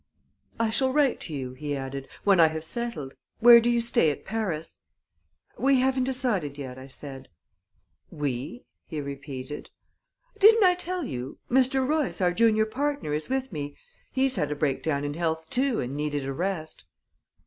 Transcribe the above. "I shall write to you," he added, "when I have settled. Where do you stay at Paris?" "We haven't decided yet," I said. "We?" he repeated. "Didn't I tell you? Mr. Royce, our junior partner, is with me he's had a breakdown in health, too, and needed a rest."